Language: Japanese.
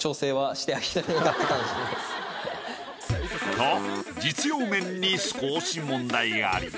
と実用面に少し問題あり。